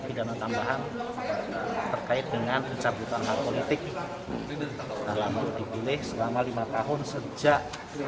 pidana tambahan terkait dengan pencabutan hak politik dalam dipilih selama lima tahun sejak